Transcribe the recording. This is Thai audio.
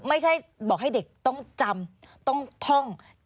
ไม่ใช่บอกให้เด็กต้องจำต้องท่อง